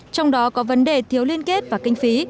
trong đó có vấn đề thiếu liên kết và kinh phí